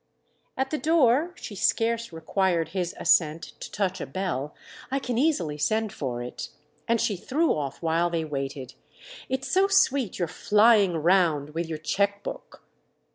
"At the door?" She scarce required his assent to touch a bell. "I can easily send for it." And she threw off while they waited: "It's so sweet your 'flying round' with your cheque book!"